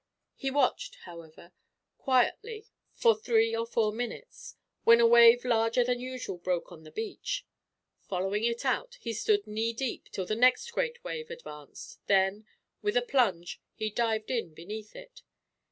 He watched, however, quietly for three or four minutes, when a wave larger than usual broke on the beach. Following it out, he stood knee deep, till the next great wave advanced; then, with a plunge, he dived in beneath it.